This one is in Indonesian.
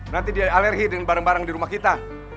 nanti dia alergi dengan barang barang di rumah kita